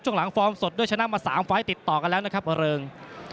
หลังฟอร์มสดด้วยชนะมา๓ไฟล์ติดต่อกันแล้วนะครับเริง